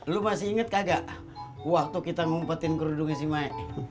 lo masih ingat kagak waktu kita ngumpetin kerudung isi mae